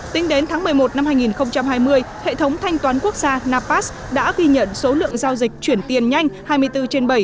tính đến tháng một mươi một năm hai nghìn hai mươi hệ thống thanh toán quốc gia napas đã ghi nhận số lượng giao dịch chuyển tiền nhanh hai mươi bốn trên bảy